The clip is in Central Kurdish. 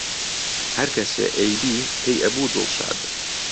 هەرکەسێ ئەیدی پێی ئەبوو دڵشاد